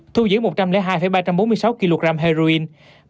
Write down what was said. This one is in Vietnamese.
thu giữ một trăm linh hai ba trăm bốn mươi sáu kg heroin